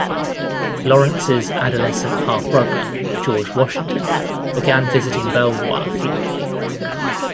Lawrence's adolescent half-brother, George Washington, began visiting Belvoir frequently.